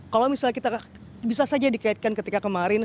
kalau misalnya kita bisa saja dikaitkan ketika kemarin